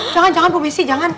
jangan jangan bu misi jangan